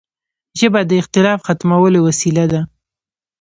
ژبه د اختلاف ختمولو وسیله ده